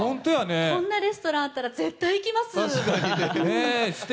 こんなレストランがあったら絶対に行きます。